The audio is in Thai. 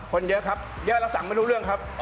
คนเยอะครับเยอะแล้วสั่งไม่รู้เรื่องครับ